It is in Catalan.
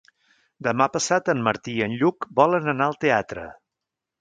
Demà passat en Martí i en Lluc volen anar al teatre.